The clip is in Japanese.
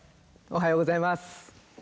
おはようございます。